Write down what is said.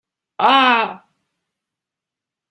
啊～